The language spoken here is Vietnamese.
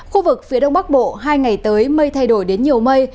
khu vực phía đông bắc bộ hai ngày tới mây thay đổi đến nhiều mây